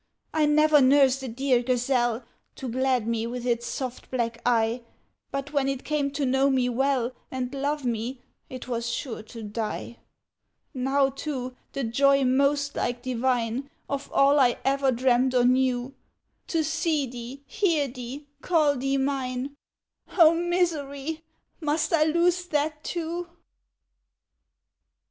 I never nursed a dear gazelle, To glad me with its soft black eye, But when it came to know me well, And love me, it was sure to die! Now, too, the joy most like divine Of all I ever dreamt or knew, To see thee, hear thee, call thee mine, O misery! must I lose that too?"